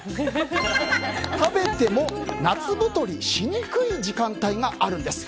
食べても夏太りしにくい時間帯があるんです。